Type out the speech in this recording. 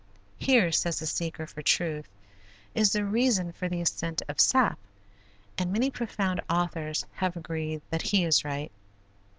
Here, says the seeker for truth, is the reason for the ascent of sap, and many profound authors have agreed that he is right.